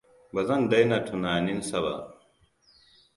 Ba zan daina tunaninsa ba.